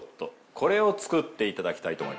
これを作っていただきたいと。